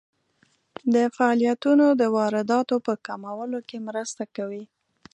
دا فعالیتونه د وارداتو په کمولو کې مرسته کوي.